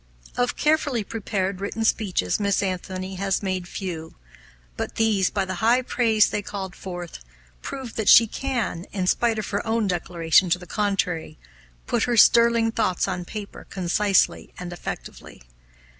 Of carefully prepared written speeches Miss Anthony has made few; but these, by the high praise they called forth, prove that she can in spite of her own declaration to the contrary put her sterling thoughts on paper concisely and effectively.